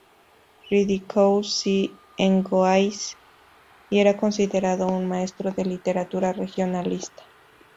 Radicou-si en Goiás y era considerado un maestro de la literatura regionalista.